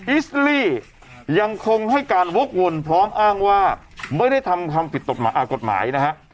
อิสลี่ยังคงให้การวกวนพร้อมอ้างว่าไม่ได้ทำความผิดกฎหมายนะฮะ